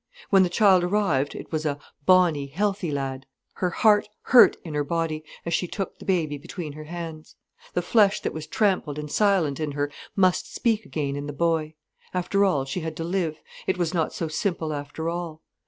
When the child arrived, it was a bonny, healthy lad. Her heart hurt in her body, as she took the baby between her hands. The flesh that was trampled and silent in her must speak again in the boy. After all, she had to live—it was not so simple after all.